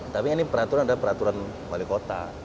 tapi ini peraturan ada peraturan balik kota